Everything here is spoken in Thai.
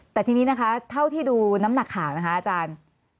แต่ทีนี้นะคะเท่าที่ดูน้ำหนักข่าวนะคะอาจารย์